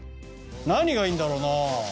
何がいいんだろうな。